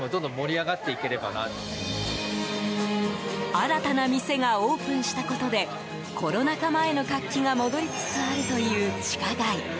新たな店がオープンしたことでコロナ禍前の活気が戻りつつあるという地下街。